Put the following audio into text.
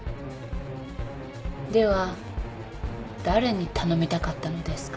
では誰に頼みたかったのですか？